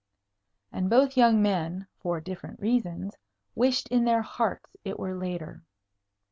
And both young men (for different reasons) wished in their hearts it were later.